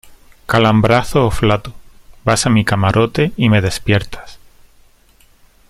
calambrazo o flato. vas a mi camarote y me despiertas .